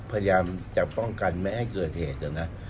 พยายามจะป้องกันไม่ให้เกิดเหตุนะ